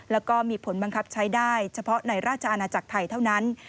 แล้วก็มีผลบังคับใช้ได้เฉพาะในราชอาณาจักรไทยเท่านั้น